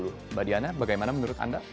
mbak diana bagaimana menurut anda